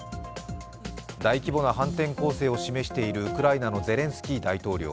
大規模な反転攻勢を示しているウクライナのゼレンスキー大統領。